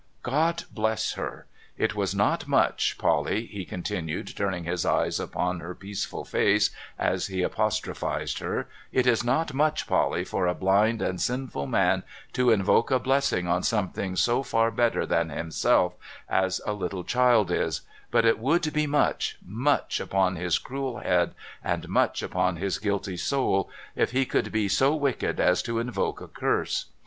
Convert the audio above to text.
' God bless her ! It is not much, Polly,' he continued, turning his eyes upon her peaceful face as he apostrophized her, 'it is not much, Polly, for a blind and sinful man to invoke a blessing on something so fiir better than himself as a little child is ; but it w'ould be much — much upon his cruel head, and much upon his guilty soul — if he could be so wicked as to invoke a curse.